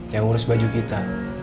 yang ngurus baju kita